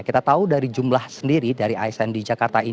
kita tahu dari jumlah sendiri dari asn di jakarta ini